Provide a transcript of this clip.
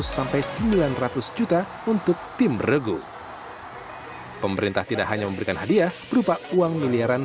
sampai sembilan ratus juta untuk tim regu pemerintah tidak hanya memberikan hadiah berupa uang miliaran